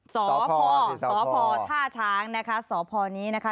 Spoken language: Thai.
สพสพท่าช้างนะคะสพนี้นะคะ